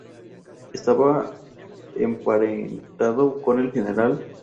Estaba emparentado con el Gral.